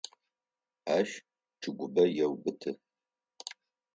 Ащ чӏыгубэ еубыты.